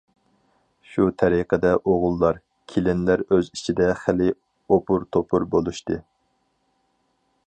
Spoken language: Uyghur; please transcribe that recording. شۇ تەرىقىدە ئوغۇللار، كېلىنلەر ئۆز ئىچىدە خېلى ئوپۇر-توپۇر بولۇشتى.